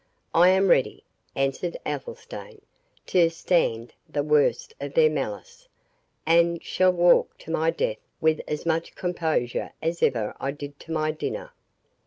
"I am ready," answered Athelstane, "to stand the worst of their malice, and shall walk to my death with as much composure as ever I did to my dinner."